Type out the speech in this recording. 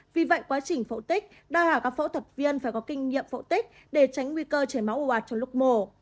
vì vậy quá trình phẫu tích đòi hảo các phẫu thuật viên phải có kinh nghiệm phẫu tích để tránh nguy cơ chảy máu ồ ạt trong lúc mổ